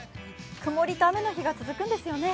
曇りと雨の日が続くんですよね。